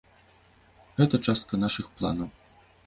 Гэта частка нашых планаў.